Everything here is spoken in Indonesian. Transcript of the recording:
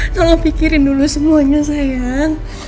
tolong pikirin dulu semuanya sayang